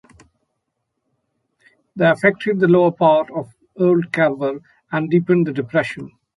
The affected the lower part of old Carver and deepened the depression.